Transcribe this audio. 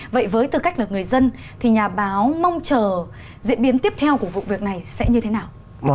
vậy với tư cách là người dân thì nhà báo mong chờ diễn biến tiếp theo của vụ việc này sẽ như thế nào